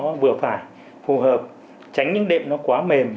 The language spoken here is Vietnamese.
nó vừa phải phù hợp tránh những đệm nó quá mềm